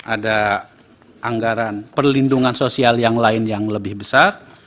ada anggaran perlindungan sosial yang lain yang lebih besar